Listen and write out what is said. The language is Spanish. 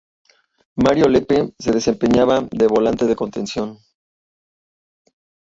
Mario Lepe se desempeñaba de volante de contención.